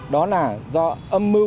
đó là do âm mưu